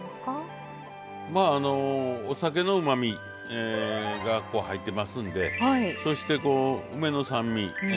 お酒のうまみが入っていますんでそしてこう梅の酸味